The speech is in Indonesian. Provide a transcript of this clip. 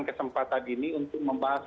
kesempatan ini untuk membahas